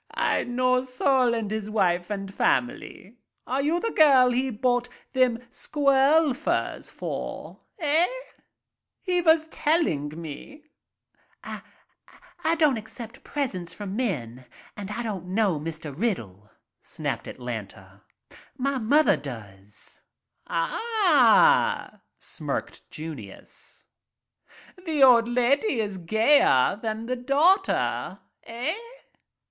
I know Sol and his wife and family. Are you the girl he bought them squirrel furs for, eh? He vas telling me." "I — I don't accept presents from men and I don't know Mr. Riddle," snapped Atlanta. "My mother does." "Ah," smirked Junius, "the old lady is gayer than the daughter, eh?"